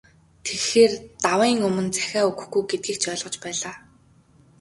Тэгэхээр, давын өмнө захиа өгөхгүй гэдгийг ч ойлгож байлаа.